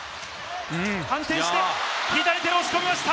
反転して左手で押し込みました！